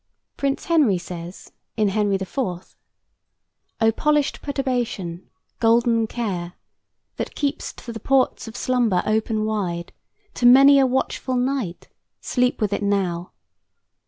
Prince Henry says, in "Henry IV.": "O polished perturbation! Golden care! That keep'st the ports of slumber open wide To many a watchful night, sleep with it now!